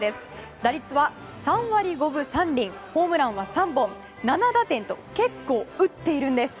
打率は３割５分３厘ホームランは３本、７打点と結構打っているんです。